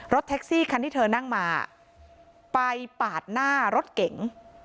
แท็กซี่คันที่เธอนั่งมาไปปาดหน้ารถเก๋ง